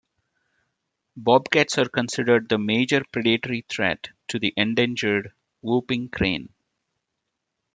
Bobcats are considered the major predatory threat to the endangered whooping crane.